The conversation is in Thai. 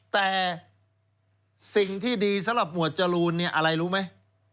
แต่สิ่งที่ดีสำหรับหมวดจรูนเนี่ยอะไรรู้ไหม